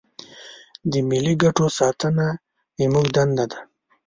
د ملي ګټو ساتنه زموږ دنده ده.